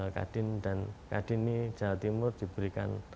kadin dan kadin ini jawa timur diberikan